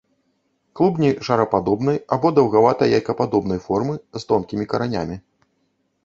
Клубні шарападобнай або даўгавата-яйкападобнай формы, з тонкімі каранямі.